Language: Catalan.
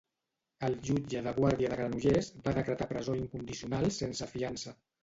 El jutge de guàrdia de Granollers va decretar presó incondicional sense fiança.